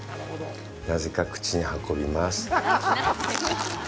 なぜか口に運びます